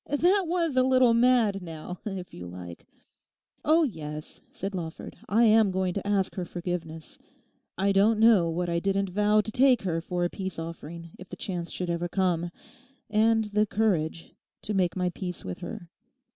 That was a little mad, now, if you like!' 'Oh yes,' said Lawford, 'I am going to ask her forgiveness. I don't know what I didn't vow to take her for a peace offering if the chance should ever come—and the courage—to make my peace with her.